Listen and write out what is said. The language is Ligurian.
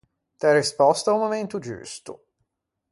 T’æ respòsto a-o momento giusto.